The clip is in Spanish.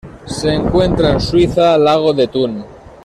Se encuentra en Suiza: Lago de Thun.